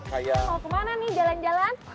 mau kemana nih jalan jalan